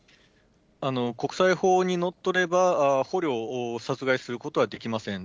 国際法にのっとれば、捕虜を殺害することはできません。